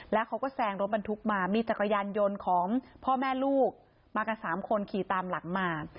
แล้วเขาก็แซงรถบรรทุกมามีจักรยานยนต์ของพ่อแม่ลูกมากัน๓คนขี่ตามหลังมา